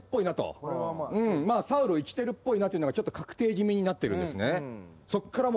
サウロ生きてるっぽいなというのが確定気味になってるんですね。